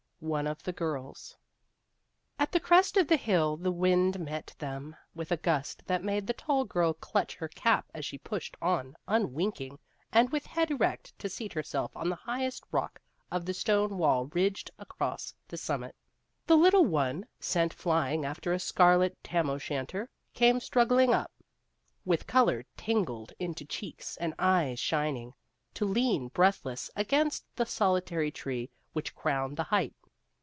XII ONE OF THE GIRLS AT the crest of the hill the wind met them with a gust that made the tall girl clutch her cap as she pushed on unwink ing and with head erect to seat herself on the highest rock of the stone wall ridged across the summit. The little one, sent flying after a scarlet tam o' shanter, came struggling up, with color tingled into cheeks and eyes shining, to lean breath less against the solitary tree which crowned the height.